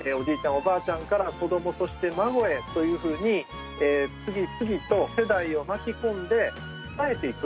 おばあちゃんから子どもそして孫へというふうに次々と世代を巻き込んで伝えていく。